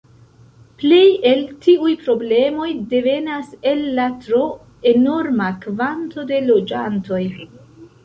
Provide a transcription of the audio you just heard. Plej el tiuj problemoj devenas el la tro enorma kvanto de loĝantoj.